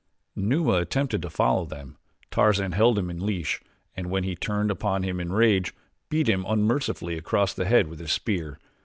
Numa attempted to follow them; Tarzan held him in leash and when he turned upon him in rage, beat him unmercifully across the head with his spear.